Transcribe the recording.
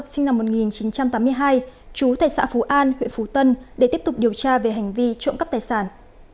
sinh năm một nghìn chín trăm tám mươi hai chú tại xã phú an huyện phú tân để tiếp tục điều tra về hành vi trộm cắp tài sản